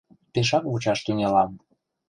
— Пешак вучаш тӱҥалам.